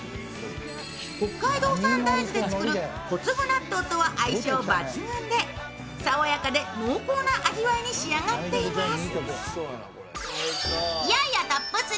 北海道産大豆で作る小粒納豆とは相性抜群でさわやかで濃厚な味わいに仕上がっています。